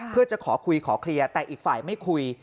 เพื่อจะขอคุยขอเคลียร์แต่อีกฝ่ายไม่คุย